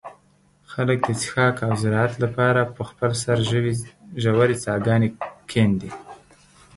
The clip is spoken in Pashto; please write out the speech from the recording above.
خلک د څښاک او زراعت له پاره په خپل سر ژوې څاګانې کندي.